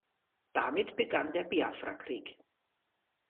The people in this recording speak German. Damit begann der Biafra-Krieg.